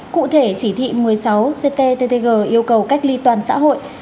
cụ thể chỉ thị một mươi sáu cttg yêu cầu cách ly toàn xã hội